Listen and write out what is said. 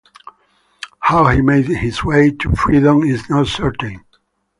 How he made his way to freedom is not certain.